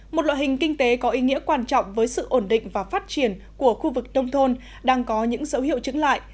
một loại hình kinh tế có ý nghĩa quan trọng với sự ổn định và phát triển của khu vực đông thôn đang có những dấu hiệu chứng lại